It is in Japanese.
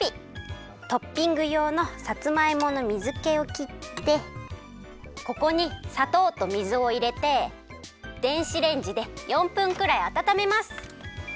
トッピングようのさつまいもの水けをきってここにさとうと水をいれて電子レンジで４分くらいあたためます。